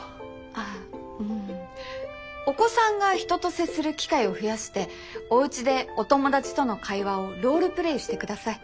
ああお子さんが人と接する機会を増やしておうちでお友達との会話をロールプレーして下さい。